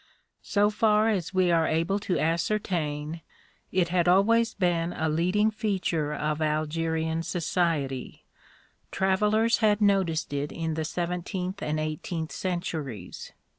So far as we are able to ascertain, it had always been a leading feature of Algerian society; travelers had noticed it in the seventeenth and eighteenth centuries.